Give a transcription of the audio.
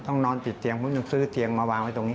ต้องนอนจีดเตียงซื้อเตียงมาวางไว้ตรงนี้